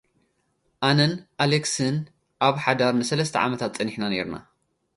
ኣነን ኣሌክስን ኣብ ሓዳር ንሰለስተ ዓመት ጸኒሕና ኔርና።